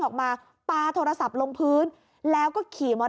ขอได้ไหม